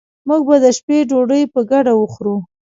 موږ به د شپې ډوډي په ګډه وخورو